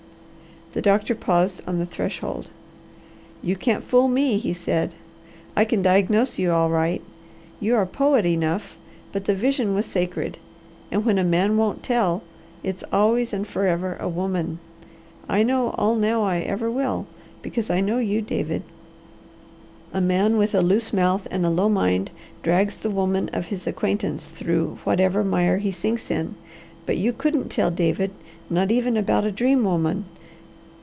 The doctor paused on the threshold. "You can't fool me," he said. "I can diagnose you all right. You are poet enough, but the vision was sacred; and when a man won't tell, it's always and forever a woman. I know all now I ever will, because I know you, David. A man with a loose mouth and a low mind drags the women of his acquaintance through whatever mire he sinks in; but you couldn't tell, David, not even about a dream woman.